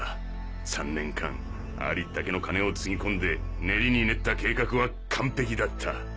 ３年間ありったけの金をつぎ込んで練りに練った計画は完璧だった。